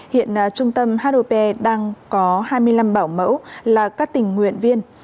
hiện trung tâm hop đang có hai mươi năm bảo mẫu là các tình nguyện viên